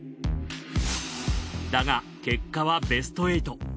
だが結果はベスト８。